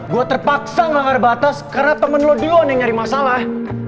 gue terpaksa melanggar batas karena temen lo duluan yang nyari masalah